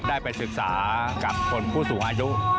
ได้ไปศึกษากับคนผู้สูงอายุ